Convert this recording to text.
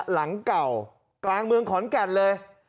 หลังเก่ากลางเมืองขอนแก่นเลย